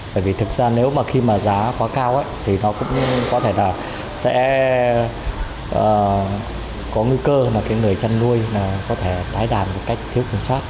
bởi vì thực ra nếu mà khi mà giá quá cao thì nó cũng có thể là sẽ có nguy cơ là cái người chăn nuôi có thể tái đàn một cách thiếu kiểm soát